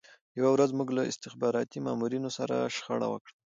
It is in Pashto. یوه ورځ موږ له استخباراتي مامورینو سره شخړه وکړه